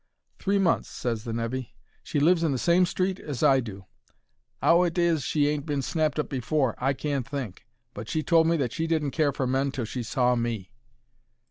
"Three months," ses the nevy. "She lives in the same street as I do. 'Ow it is she ain't been snapped up before, I can't think, but she told me that she didn't care for men till she saw me."